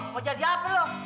mau jadi apa lu